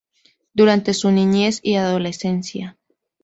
Durante su niñez y adolescencia.